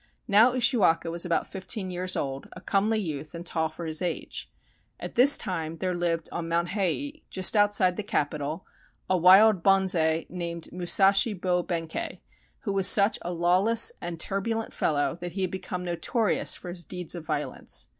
Now Ushiwaka was about fifteen years old, a comely youth, and tall for his age. At this time there lived on Mount Hiei, just outside the capital, a wild bonze named Musashi Bo Benkei, who was such a lawless and turbulent fellow that he had become notorious for his deeds of violence.